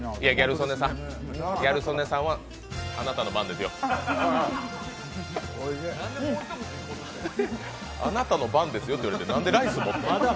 ギャル曽根さんは、あなたの番ですよ。あなたの番ですよって言われてなんでライス持つの？